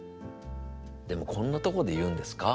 「でもこんなとこで言うんですか？」